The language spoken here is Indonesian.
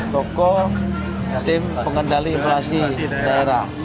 toko tim pengendali inflasi daerah